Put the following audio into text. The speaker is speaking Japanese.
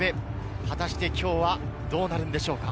果たしてきょうはどうなるんでしょうか？